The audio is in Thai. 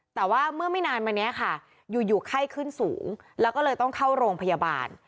แต่ว่าเมื่อไม่นานมานี้ค่ะอยู่ไข้ขึ้นสูงแล้วก็เลยต้องเข้าโรงพยาบาล